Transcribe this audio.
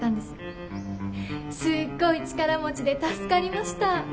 すっごい力持ちで助かりました。